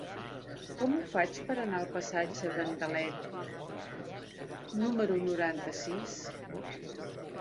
Com ho faig per anar al passatge d'Andalet número noranta-sis?